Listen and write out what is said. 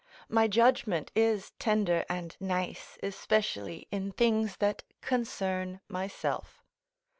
My judgment is tender and nice, especially in things that concern myself.